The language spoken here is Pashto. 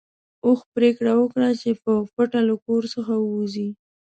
اوښ پرېکړه وکړه چې په پټه له کور څخه ووځي.